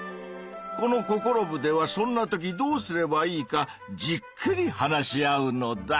このココロ部ではそんなときどうすればいいかじっくり話し合うのだ。